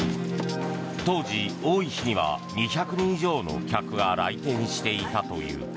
当時、多い日には２００人以上の客が来店していたという。